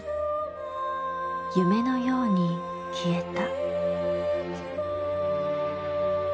夢のように消えた。